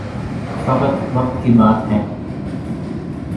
فقط وقت کی بات ہے۔